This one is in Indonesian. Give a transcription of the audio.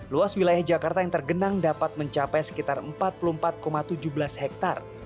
luas wilayah jakarta yang tergenang dapat mencapai sekitar empat puluh empat tujuh belas hektare